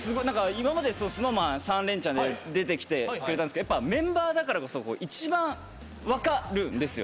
今までＳｎｏｗＭａｎ３連チャン出てきたんですけどやっぱメンバーだからこそ一番分かるんですよ。